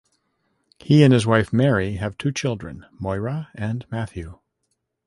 He and his wife, Mary, have two children, Moira and Matthew.